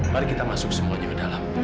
mari kita masuk semuanya ke dalam